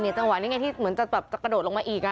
จังหวะนี้ไงที่เหมือนจะแบบจะกระโดดลงมาอีก